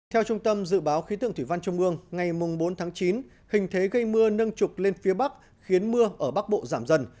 theo trung tâm dự báo khí tượng thủy văn trung ương ngày bốn tháng chín hình thế gây mưa nâng trục lên phía bắc khiến mưa ở bắc bộ giảm dần